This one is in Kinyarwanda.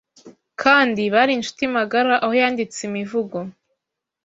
kandi bari inshuti magara aho yanditse imivugo